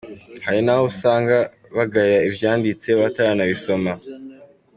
"Hari n'abo usanga bagaya ivyanditswe bataranabisoma.